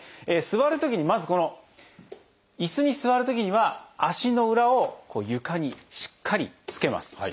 座るときにまずこのいすに座るときには足の裏を床にしっかりつけます。